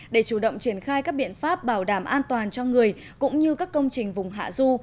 để chủ động triển khai các biện pháp bảo đảm an toàn cho người cũng như các công trình vùng hạ du